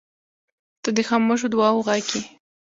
• ته د خاموشو دعاوو غږ یې.